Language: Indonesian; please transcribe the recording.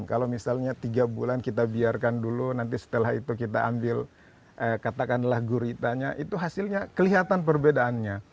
kalau misalnya tiga bulan kita biarkan dulu nanti setelah itu kita ambil katakanlah guritanya itu hasilnya kelihatan perbedaannya